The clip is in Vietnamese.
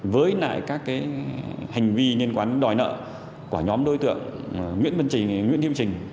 với lại các hành vi liên quan đòi nợ của nhóm đối tượng nguyễn vân trình nguyễn hiếp trình